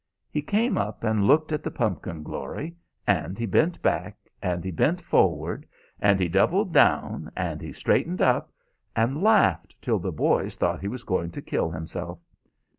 "He came up and looked at the pumpkin glory, and he bent back and he bent forward, and he doubled down and he straightened up, and laughed till the boys thought he was going to kill himself.